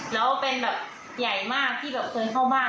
แล้วเป็นแบบใหญ่มากที่แบบเคยเข้าบ้าน